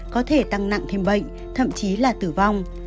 có thể tăng nặng thêm bệnh thậm chí là tử vong